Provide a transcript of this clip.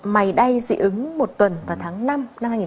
mày đay dị ứng một tuần vào tháng năm năm hai nghìn một mươi tám